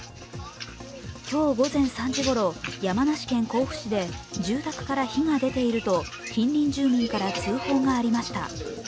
今日午前３時ごろ、山梨県甲府市で住宅から火が出ていると近隣住民から通報がありました。